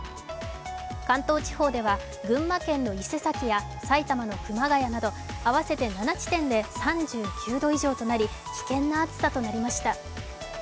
関東地方では群馬県の伊勢崎や埼玉の熊谷など合わせて７地点で３９度以上となり、危険な暑さとなりました。